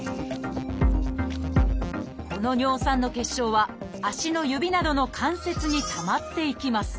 この尿酸の結晶は足の指などの関節にたまっていきます。